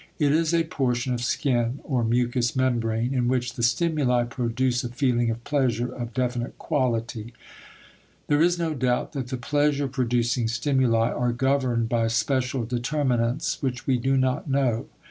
It is a portion of skin or mucous membrane in which the stimuli produce a feeling of pleasure of definite quality. There is no doubt that the pleasure producing stimuli are governed by special determinants which we do not know.